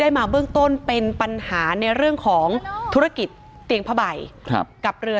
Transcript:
มาเบื้องต้นเป็นปัญหาในเรื่องของธุรกิจเตียงผ้าใบกับเรือ